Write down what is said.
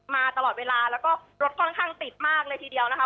มาตลอดเวลาแล้วก็รถค่อนข้างติดมากเลยทีเดียวนะคะ